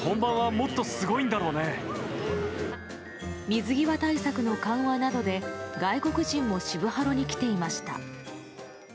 水際対策の緩和などで外国人も渋ハロに来ていました。